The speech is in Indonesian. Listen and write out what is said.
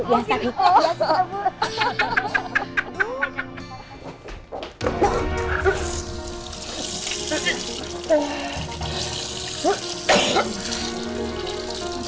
ya sakit ya soal